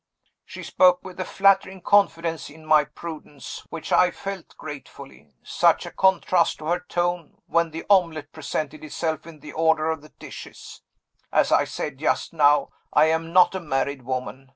She spoke with a flattering confidence in my prudence, which I felt gratefully. Such a contrast to her tone when the omelet presented itself in the order of the dishes! As I said just now I am not a married woman.